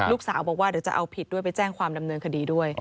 ลูกสาวบอกว่าเดี๋ยวจะเอาผิดด้วยไปแจ้งความดำเนินคดีด้วย